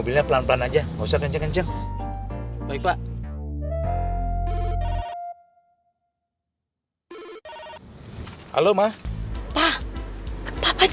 lu jalan mau siapa